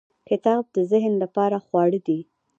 • کتاب د ذهن لپاره خواړه دی.